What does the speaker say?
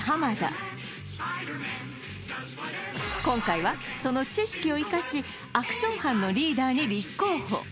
今回はその知識を生かしアクション班のリーダーに立候補